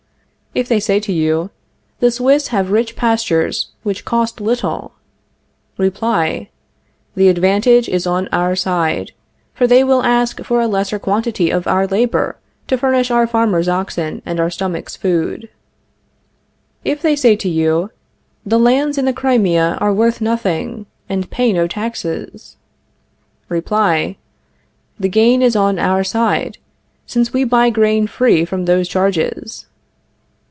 If they say to you: The Swiss have rich pastures which cost little Reply: The advantage is on our side, for they will ask for a lesser quantity of our labor to furnish our farmers oxen and our stomachs food. If they say to you: The lands in the Crimea are worth nothing, and pay no taxes Reply: The gain is on our side, since we buy grain free from those charges.